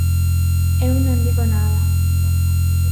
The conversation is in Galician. Eu non digo nada.